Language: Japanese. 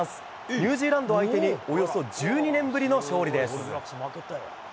ニュージーランド相手におよそ１２年ぶりの勝利です。